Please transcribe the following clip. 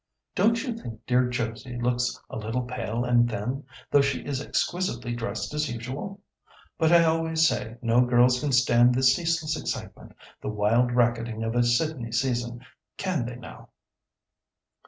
"Don't you think dear Josie looks a little pale and thin, though she is exquisitely dressed as usual? But I always say no girls can stand the ceaseless excitement, the wild racketing of a Sydney season. Can they, now?"